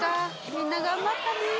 みんな頑張ったね。